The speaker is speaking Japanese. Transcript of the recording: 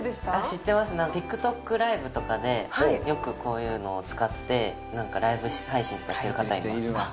知ってますＴｉｋＴｏｋＬＩＶＥとかでよくこういうのを使ってライブ配信とかしてる方います